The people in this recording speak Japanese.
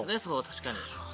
確かに。